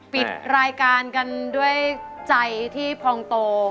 ปิดรายการกันด้วยใจที่พองโต